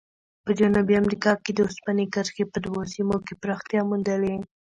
په جنوبي امریکا کې د اوسپنې کرښې په دوو سیمو کې پراختیا موندلې.